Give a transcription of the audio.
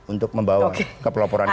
untuk membawa kepeloporan itu